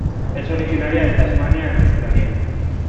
Es originaria de Tasmania en Australia.